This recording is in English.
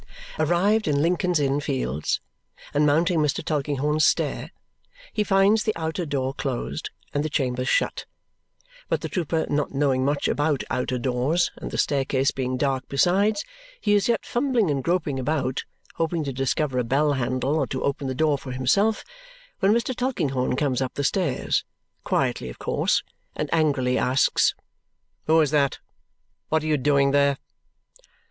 Arrived in Lincoln's Inn Fields and mounting Mr. Tulkinghorn's stair, he finds the outer door closed and the chambers shut, but the trooper not knowing much about outer doors, and the staircase being dark besides, he is yet fumbling and groping about, hoping to discover a bell handle or to open the door for himself, when Mr. Tulkinghorn comes up the stairs (quietly, of course) and angrily asks, "Who is that? What are you doing there?"